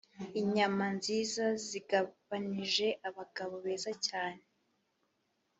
inyama nziza zagabanije abagabo beza cyane